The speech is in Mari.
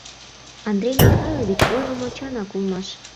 Андрей Михайлович ойлымо чынак улмаш...